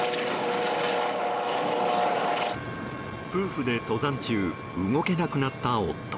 夫婦で登山中動けなくなった夫。